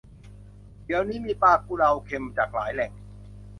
เดี๋ยวนี้มีปลากุเลาเค็มจากหลายแหล่ง